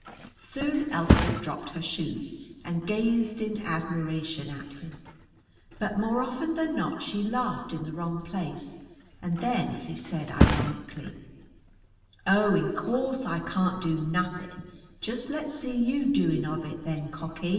Soon Elspeth dropped her shoes and gazed in admiration at him, but more often than not she laughed in the wrong place, and then he said ironically: "Oh, in course I can't do nothin'; jest let's see you doing of it, then, cocky!"